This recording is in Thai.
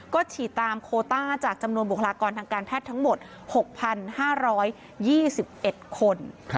ก็ฉีดตามโคต้าจากจำนวนบุคลากรทางการแพทย์ทั้งหมด๖๕๒๑คน